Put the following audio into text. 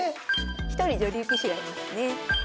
１人女流棋士がいますね。